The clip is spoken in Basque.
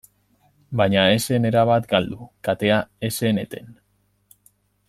Baina ez zen erabat galdu, katea ez zen eten.